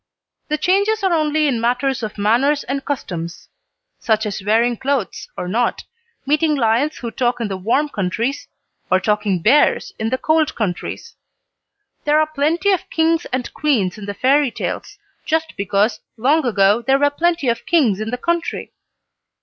The changes are only in matters of manners and customs; such as wearing clothes or not, meeting lions who talk in the warm countries, or talking bears in the cold countries. There are plenty of kings and queens in the fairy tales, just because long ago there were plenty of kings in the country.